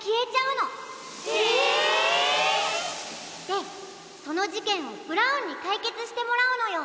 でそのじけんをブラウンにかいけつしてもらうのよ！